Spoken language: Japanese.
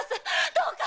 どうか！